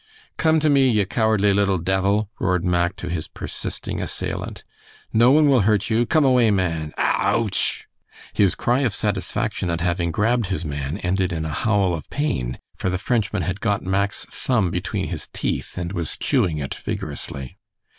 "Come to me, ye cowardly little devil," roared Mack to his persisting assailant. "No one will hurt you! Come away, man! A a ah ouch!" His cry of satisfaction at having grabbed his man ended in a howl of pain, for the Frenchman had got Mack's thumb between his teeth, and was chewing it vigorously.